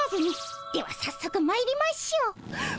ではさっそくまいりましょう。